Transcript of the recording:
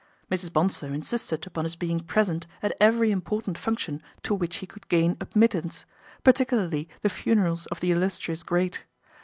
Mrs. Bonsor insisted upon his being present at every important function to which he could gain admittance, particularly the funerals of the illus trious great.